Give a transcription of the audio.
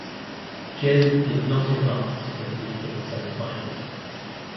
Jobe did not advance to compete in the semifinals.